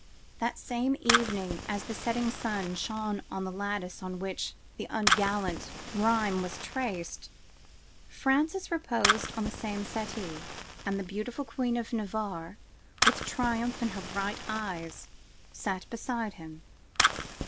That same evening as the setting sun shone on the lattice on which the ungallant rhyme was traced, Francis reposed on the same settee, and the beautiful Queen of Navarre, with triumph in her bright eyes, sat beside him.